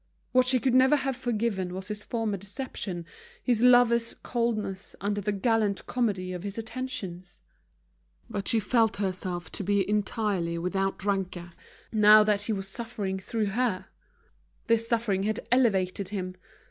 What she could never have forgiven was his former deception, his lover's coldness under the gallant comedy of his attentions. But she felt herself to be entirely without rancour, now that he was suffering through her. This suffering had elevated him.